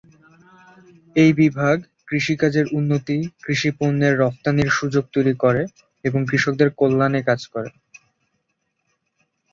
এই বিভাগ কৃষিকাজের উন্নতি, কৃষি পণ্যের রফতানির সুযোগ তৈরি এবং কৃষকদের কল্যাণে কাজ করে।